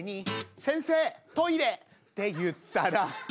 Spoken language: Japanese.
「先生トイレ！」って言ったら。